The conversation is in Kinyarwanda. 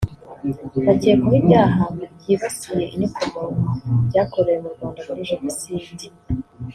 bakekwaho ibyaha byibasiye inyokomuntu byakorewe mu Rwanda muri Jenoside